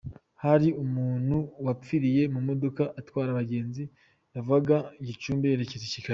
Hari umuntu wapfiriye mu modoka itwara abagenzi yavanga Gicumbi yerekeza I Kigali .